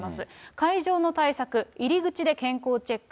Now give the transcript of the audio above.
会場の対策、入り口で健康チェック。